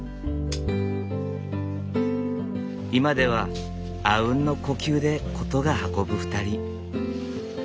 今ではあうんの呼吸で事が運ぶ２人。